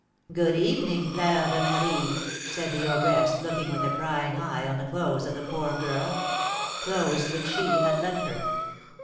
"Good evening, Fleur de Marie," said the ogress, looking with a prying eye on the clothes of the poor girl, clothes which she had lent her.